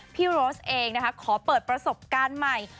โรสเองนะคะขอเปิดประสบการณ์ใหม่